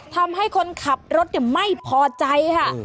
ทำให้คนขับรถไม่พอใจค่ะ